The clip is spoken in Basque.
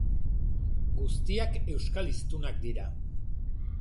Guztiak euskal hiztunak dira.